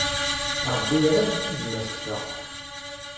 Ṛebbi irad, tuzzma tekfa.